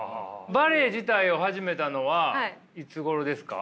バレエ自体を始めたのはいつごろですか？